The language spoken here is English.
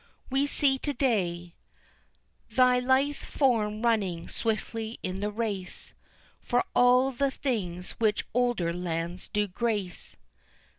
We see to day Thy lithe form running swiftly in the race, For all the things which older lands do grace.